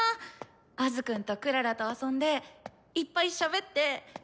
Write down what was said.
アズくんとクララと遊んでいっぱいしゃべって。